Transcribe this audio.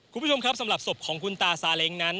คุณผู้ชมครับสำหรับศพของคุณตาซาเล้งนั้น